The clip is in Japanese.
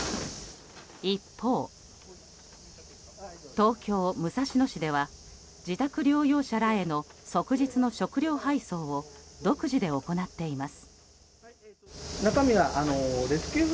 東京・武蔵野市では自宅療養者らへの即日の食料配送を独自で行っています。